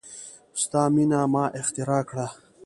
ستا میینه ما اختراع کړه